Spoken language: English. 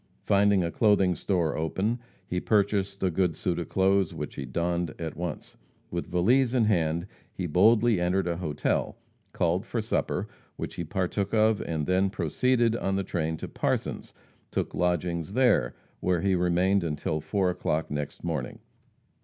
Finding a clothing store open, he purchased a good suit of clothes, which he donned at once. With valise in hand, he boldly entered a hotel, called for supper, which he partook of, and then proceeded on the train to Parsons, took lodgings there, where he remained until 4 o'clock next morning.